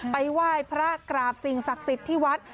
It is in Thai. ไปไหว้พระกราบสิ่งศักดิ์สิทธิ์ที่วัด